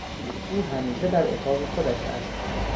او همیشه در اتاق خودش است.